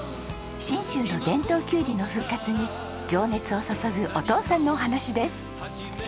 信州の伝統キュウリの復活に情熱を注ぐお父さんのお話です。